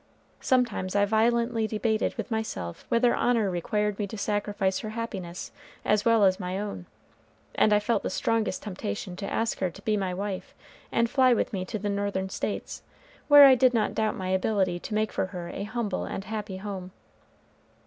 Sometimes I violently debated with myself whether honor required me to sacrifice her happiness as well as my own, and I felt the strongest temptation to ask her to be my wife and fly with me to the Northern states, where I did not doubt my ability to make for her a humble and happy home.